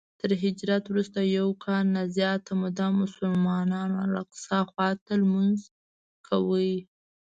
تر هجرت وروسته یو کال نه زیاته موده مسلمانانو الاقصی خواته لمونځ کاوه.